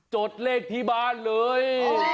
จดเลขที่บ้านเลย